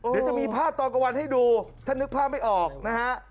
เดี๋ยวจะมีภาพตอนกลางวันให้ดูถ้านึกภาพไม่ออกนะฮะ